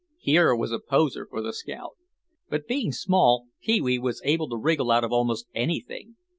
Here was a poser for the scout. But being small Pee wee was able to wriggle out of almost anything.